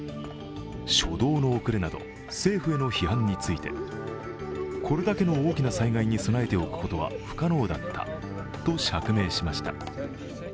初動の遅れなど政府への批判についてこれだけの大きな災害に備えておくことは不可能だったと釈明しました。